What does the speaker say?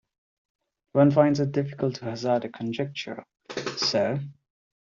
One finds it difficult to hazard a conjecture, sir.